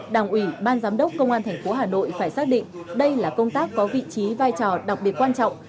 đảng ủy ban giám đốc công an thành phố hà nội phải xác định đây là công tác có vị trí vai trò đặc biệt quan trọng